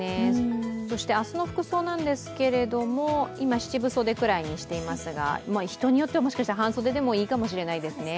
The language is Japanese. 明日の服装なんですけれども、今七分袖くらいにしていますが、人によってはもしかしたら半袖でもいいかもしれないですね。